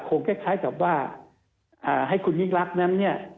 คล้ายกับว่าให้คุณยิ่งรักนั้นเนี่ย